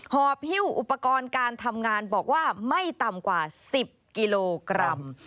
หอบฮิ้วอุปกรณ์การทำงานบอกว่าไม่ต่ำกว่า๑๐กิโลกรัม